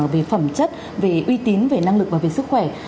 về phẩm chất về uy tín về năng lực và về sức khỏe